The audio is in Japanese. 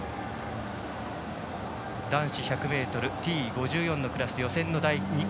男子１００ｍ、Ｔ５４のクラス予選の第２組。